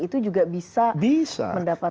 itu juga bisa mendapatkan syahid